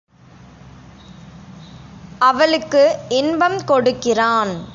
அவளுக்கு இன்பம் கொடுக்கிறான்.